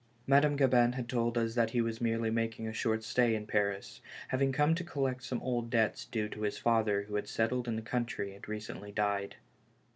Madame Gabin had told us that he was merely making a short stay in Paris, having come to collect some old debts due to his father who had settled in the country and recently died.